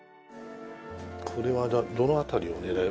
これはどの辺りを狙う？